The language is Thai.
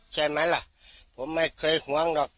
ใช่ไหมล่ะผมไม่เคยหวงหรอก